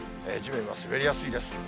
地面は滑りやすいです。